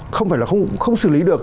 không phải là không xử lý được